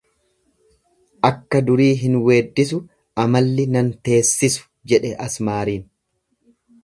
Akka durii hin weeddisu amalli nan teessisu jedhe asmaariin.